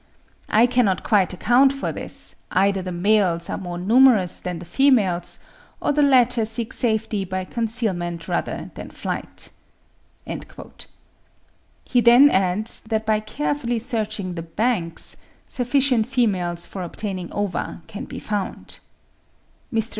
I cannot quite account for this; either the males are more numerous than the females, or the latter seek safety by concealment rather than flight." He then adds, that by carefully searching the banks sufficient females for obtaining ova can be found. (72. 'Land and Water,' 1868, p. 41.) Mr.